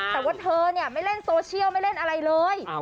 แต่ว่าเธอเนี่ยไม่เล่นโซเชียลไม่เล่นอะไรเลย